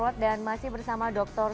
nah kesini sudut eufor